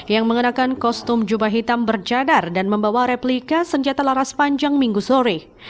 yang mengenakan kostum jubah hitam berjadar dan membawa replika senjata laras panjang minggu sore